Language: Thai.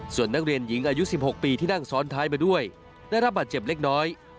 ส่วนนักเรียนหญิงอายุ๑๖ปีที่นั่งซ้อนท้ายมาด้วยได้รับบาดเจ็บเล็กน้อย